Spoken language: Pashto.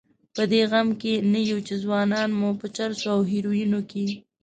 په دې غم کې نه یو چې ځوانان مو په چرسو او هیرویینو کې.